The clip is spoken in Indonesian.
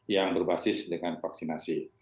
yang berbasis dengan vaksinasi